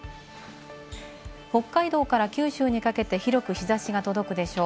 北海道から九州にかけて広く日差しが届くでしょう。